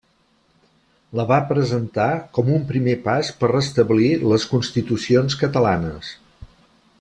La va presentar com un primer pas per restablir les constitucions catalanes.